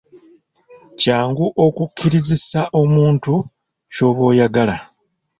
Kyangu okukkirizisa omuntu ky'oba oyagala.